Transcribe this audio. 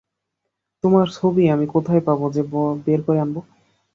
তোমার ছবি আমি কোথায় পাব যে বের করে আনব?